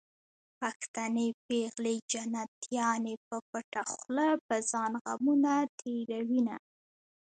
پښتنې پېغلې جنتيانې په پټه خوله په ځان غمونه تېروينه